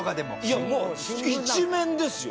いやもう一面ですよ。